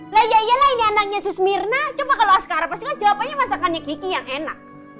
lah ya ya lah ini anaknya susmirna coba kalau askara pasti jawabannya masakannya kiki yang enak